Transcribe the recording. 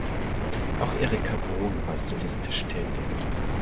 Auch Erika Bruhn war solistisch tätig.